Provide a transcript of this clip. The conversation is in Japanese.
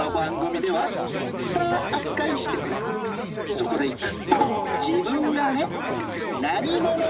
そこで一句。